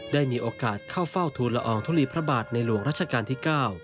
ได้มีโอกาสเข้าเฝ้าทูลละอองทุลีพระบาทในหลวงรัชกาลที่๙